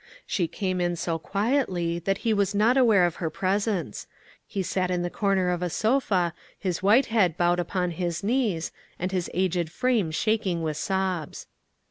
She came in so quietly that he was not aware of her presence. He sat in the corner of a sofa, his white head bowed upon his knees, and his aged frame shaking with sobs.